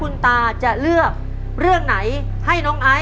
คุณยายแจ้วเลือกตอบจังหวัดนครราชสีมานะครับ